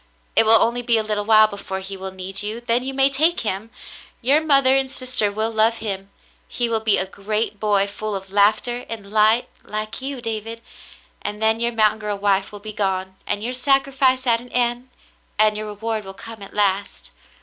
It will only be a little while before he will need you, then you may take him. Your mother and sister will love him. He will be a great boy full of laughter and light, like you, David, and then your mountain girl wife will be gone and your sacrifice at an end, and your reward will come at last.